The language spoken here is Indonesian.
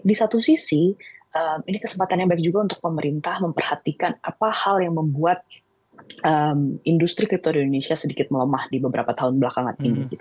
di satu sisi ini kesempatan yang baik juga untuk pemerintah memperhatikan apa hal yang membuat industri kripto di indonesia sedikit melemah di beberapa tahun belakangan ini